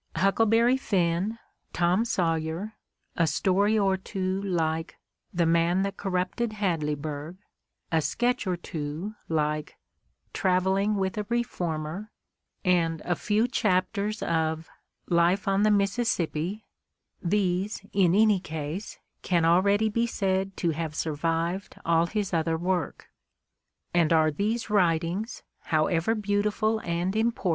"Huckle berry Finn," "Tom Sawyer," a story or two like "The Man That Corrupted Hadleyburg, '' a sketch or two like "Traveling with a Reformer" and a few chapters of "Life on the Mississippi," — these, in any case, can already be said to have "survived" all his other work. And are these writings, however beautiful and impor